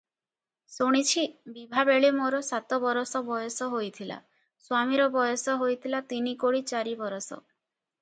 ଶୁଣିଛି, ବିଭାବେଳେ ମୋର ସାତବରଷ ବୟସ ହୋଇଥିଲା, ସ୍ୱାମୀର ବୟସ ହୋଇଥିଲା ତିନିକୋଡ଼ି ଚାରି ବରଷ ।